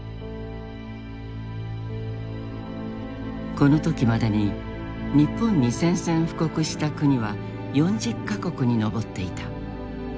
この時までに日本に宣戦布告した国は４０か国に上っていた。